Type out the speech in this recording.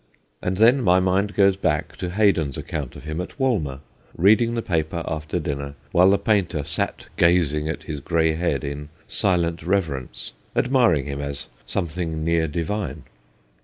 And then my mind goes back to Hay don's account of him at Walmer, reading the paper after dinner, while the painter sat gazing at his grey head in silent reverence, admiring him as something near divine.